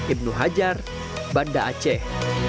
ibnu hajar banda aceh